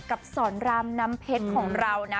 กับสอนรามน้ำเพชรของเรานะ